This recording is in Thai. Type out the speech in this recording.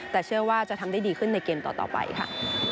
แต่เชื่อว่าจะทำได้ดีขึ้นในเกมต่อไปค่ะ